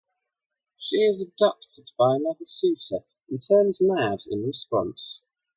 She is abducted by another suitor and turns mad in response.